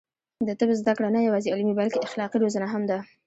د طب زده کړه نه یوازې علمي، بلکې اخلاقي روزنه هم ده.